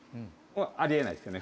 あり得ないですよね。